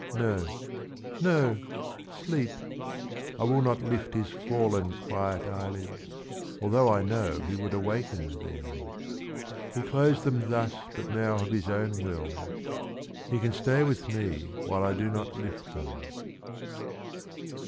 No, no; sleep. I will not lift his fallen, quiet eyelids, Although I know he would awaken then He closed them thus but now of his own will. He can stay with me while I do not lift them.'